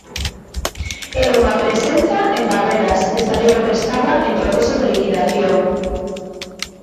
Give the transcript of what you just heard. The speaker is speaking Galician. E unha presenza en Barreras, estaleiro que estaba en proceso de liquidación.